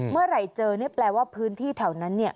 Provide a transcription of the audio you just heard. เมื่อไหร่เจอเนี่ยแปลว่าพื้นที่แถวนั้นเนี่ย